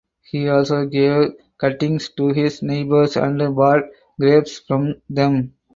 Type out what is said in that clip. He also gave cuttings to his neighbours and bought grapes from them.